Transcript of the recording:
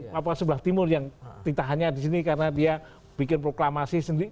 papua sebelah timur yang kita hanya disini karena dia bikin proklamasi sendiri